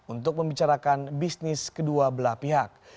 untuk membicarakan bisnis kedua belah pihak